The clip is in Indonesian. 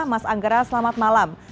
mas anggara selamat malam